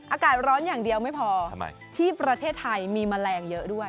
อากาศร้อนอย่างเดียวไม่พอที่ประเทศไทยมีแมลงเยอะด้วย